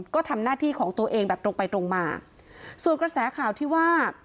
ก็ทำหน้าที่ของตัวเองแบบตรงไปตรงมาส่วนกระแสข่าวที่ว่า